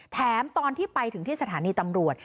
แถมตอนที่ไปถึงที่สถานีตำรวจ